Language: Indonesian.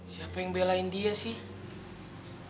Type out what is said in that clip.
siapa yang belain dia sih